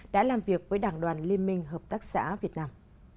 đã làm việc với đảng đoàn liên minh hợp tác xã việt nam